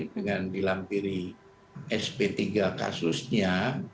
dengan dilampiri sp tiga kasusnya